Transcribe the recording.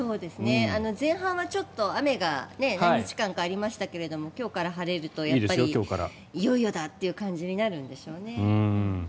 前半はちょっと雨が何日間かありましたが今日から晴れるとやっぱりいよいよだという感じになるんでしょうね。